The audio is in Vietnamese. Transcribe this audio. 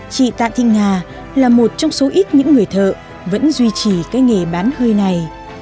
chị tạ thị nga là một trong số ít những người thợ vẫn duy trì cái nghề bán hơi này